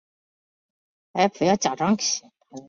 统制陈宧。